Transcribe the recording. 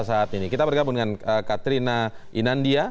saat ini kita bergabung dengan katrina inandia